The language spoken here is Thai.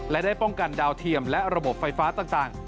และได้ป้องกันดาวเทียมและระบบไฟฟ้าต่าง